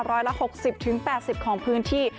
ร้อยละ๖๐๘๐ของพื้นที่